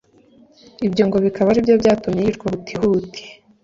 Ibyo ngo bikaba ari byo byatumye yicwa huti huti